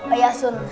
oh ya asun